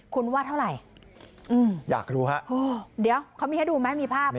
คุณว่าเท่าไหร่อยากรู้ฮะโอ้เดี๋ยวเขามีให้ดูไหมมีภาพ